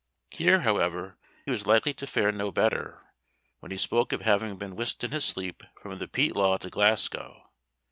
Here, however, he was likely to fare no better, when he spoke of having been whisked in his sleep from the Peatlaw to Glasgow.